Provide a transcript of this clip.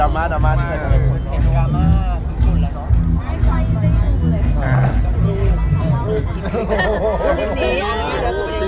เหมือนว่าเจ๊ไม่เคยพอรู้เลย